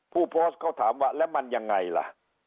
ผู้โพสต์เขาถามว่าแล้วมันยังไงล่ะ